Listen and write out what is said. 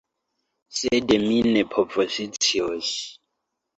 Sed mi ne povoscios.